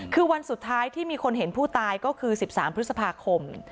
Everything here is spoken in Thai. คือวันสุดท้ายที่มีคนเห็นผู้ตายก็คือ๑๓พฤษภาคม